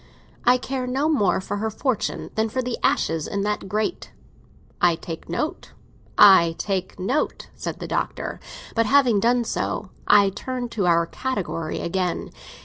I care no more for her fortune than for the ashes in that grate." "I take note—I take note," said the Doctor. "But having done so, I turn to our category again.